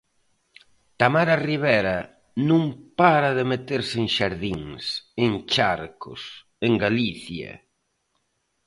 Tamara Ribera non para de meterse en xardíns, en charcos, en Galicia.